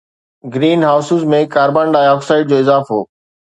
green houses ۾ carbon dioxide جو اضافو